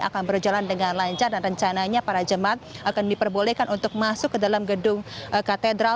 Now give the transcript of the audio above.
akan berjalan dengan lancar dan rencananya para jemaat akan diperbolehkan untuk masuk ke dalam gedung katedral